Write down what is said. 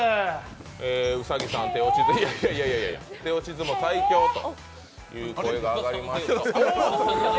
兎さん、手押し相撲最強という声が上がりました。